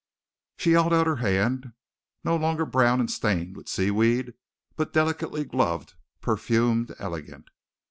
She held out her hand no longer brown and stained with seaweed, but delicately gloved, perfumed, elegant.